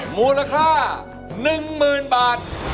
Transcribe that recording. มูลค่า๑๐๐๐บาท